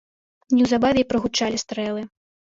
Неўзабаве і прагучалі стрэлы.